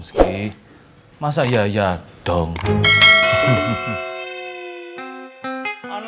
kita akan kaos the cleansuicide sekarang